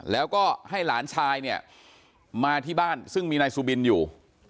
แล้วก็ให้หลานชายเนี่ยมาที่บ้านซึ่งมีนายสุบินอยู่